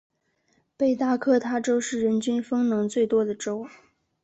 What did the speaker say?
北达科他州是人均风能最多的州。